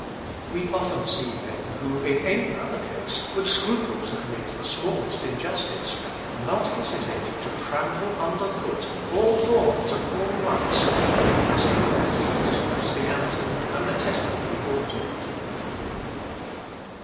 We often see men who, in any other case, would scruple to commit the smallest injustice, not hesitating to trample under foot all forms and all rights when the matter in question is Christianity, and the testimony borne to it.